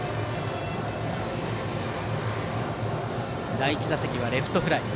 第１打席はレフトフライ。